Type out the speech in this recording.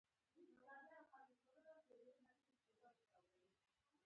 د اردن کوچیان لږ عصري دي او موټرونه لري.